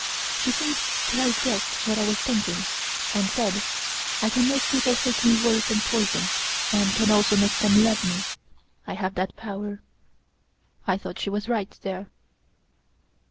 She seemed to have guessed what I was thinking, and said: "I can make people hate me worse than poison, and can also make them love me. I have that power." I thought she was right there.